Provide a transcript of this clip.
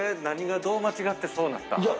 何がどう間違ってそうなった？